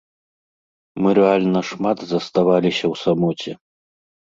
Мы рэальна шмат заставаліся ў самоце.